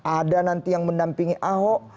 ada nanti yang mendampingi ahok